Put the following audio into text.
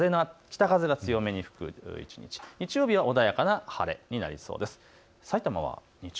土曜日は北風が強めに吹く、日曜日は穏やかな晴れになりそうです。